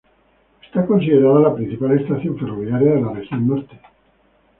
Es considerada la principal estación ferroviaria de la Región Norte.